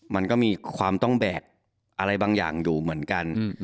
มันก็มีความต้องแบกอะไรบางอย่างอยู่เหมือนกัน